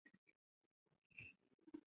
翰劳还有一个名为亚历克斯的哥哥。